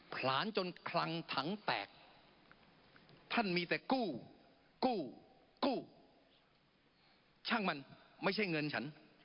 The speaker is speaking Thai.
ผลาญจนคลังถังแตกท่านมีแต่กู้กู้ช่างมันไม่ใช่เงินฉัน